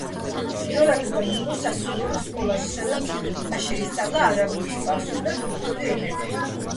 პირველადი განათლება მიიღო სასულიერო სკოლაში, სადაც მან შეისწავლა არაბული, სპარსული და თურქული ენები.